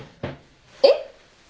えっ？